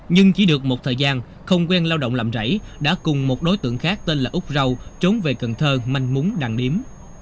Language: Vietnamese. nhưng chỉ được một thời gian không quen lao động làm rảy đã cùng một đối tượng khác tên là úc râu trốn về cần thơ manh múng đăng điếm